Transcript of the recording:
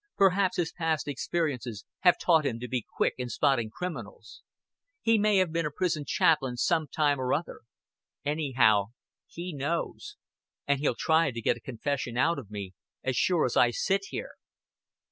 Perhaps his past experiences have taught him to be quick in spotting criminals. He may have been a prison chaplain some time or other. Anyhow, he knows; and he'll try to get a confession out of me, as sure as I sit here."